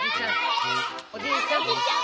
おじいちゃん！